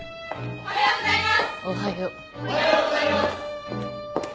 おはようございます